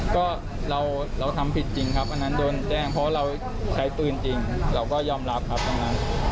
ก็เราทำผิดจริงครับอันนั้นโดนแจ้งเพราะเราใช้ปืนจริงเราก็ยอมรับครับตรงนั้น